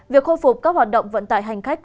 việc khôi phục các hoạt động vận tải hành khách